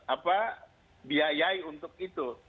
apa biayai untuk itu